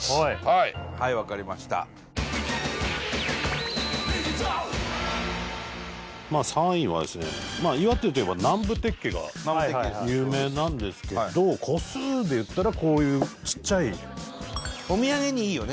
はい分かりましたまあ３位はですねが有名なんですけど個数でいったらこういうちっちゃいお土産にいいよね